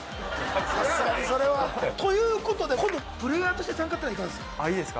さすがにそれは。という事で今度プレイヤーとして参加っていうのはいかがですか？